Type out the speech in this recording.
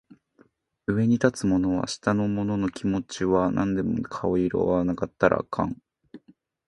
上に立つ者は下の者の気持ちは汲んでも顔色は窺ったらあかん